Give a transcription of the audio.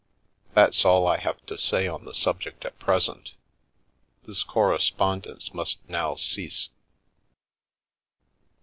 That's all I have to say on the subject at present. This correspondence must now cease."